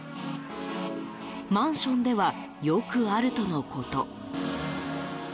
マンションではよくあるとのこと。